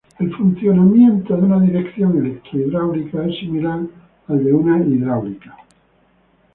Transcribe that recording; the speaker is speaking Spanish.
El funcionamiento de una dirección electro-hidráulica es similar al de una hidráulica.